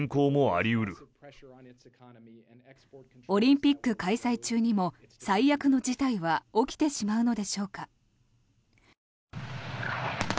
オリンピック開催中にも最悪の事態は起きてしまうのでしょうか。